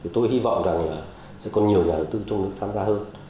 tôi hy vọng rằng sẽ có nhiều nhà đầu tư trong nước tham gia hơn